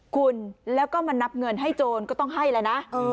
คุณแล้วก็มานับเงินให้โจรก็ต้องให้แล้วนะ